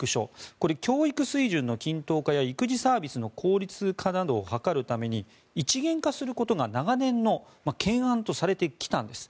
これは教育水準の均等化や育児サービスの効率化などを図るために一元化することが長年の懸案とされてきたんです。